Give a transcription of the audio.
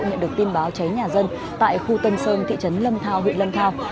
nhận được tin báo cháy nhà dân tại khu tân sơn thị trấn lâm thao huyện lâm thao